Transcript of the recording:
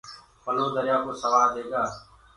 پَلو دريآ ڪو سوآد هيگآ